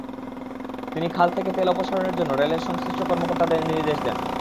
তিনি খাল থেকে তেল অপসারণের জন্য রেলের সংশ্লিষ্ট কর্মকর্তাদের নির্দেশ দেন।